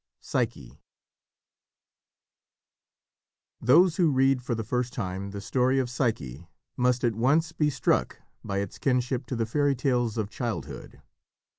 PSYCHE Those who read for the first time the story of Psyche must at once be struck by its kinship to the fairy tales of childhood.